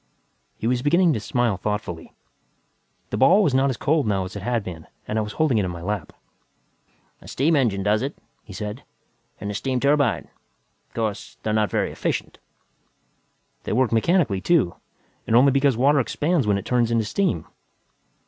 He was beginning to smile thoughtfully. The ball was not as cold now as it had been and I was holding it in my lap. "A steam engine does it," he said, "and a steam turbine. Of course, they're not very efficient." "They work mechanically, too, and only because water expands when it turns to steam."